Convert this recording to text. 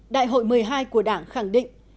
đại hội một mươi hai của đảng khẳng định